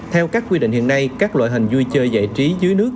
theo các quy định hiện nay các loại hình vui chơi giải trí dưới nước